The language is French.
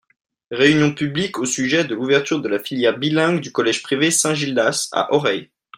réunion publique au sujet de l'ouverture de la filière bilingue du collège privé Saint Gildas, à Auray.